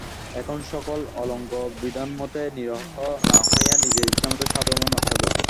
এখন সকলে অলঙ্ঘ্য বিধানমতে নিরীহ না হইয়া নিজের ইচ্ছামতে সাধু এবং অসাধু।